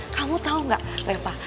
kamu tau gak trepa